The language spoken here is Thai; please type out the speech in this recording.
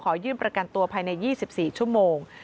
ยื่นประกันตัวภายใน๒๔ชั่วโมง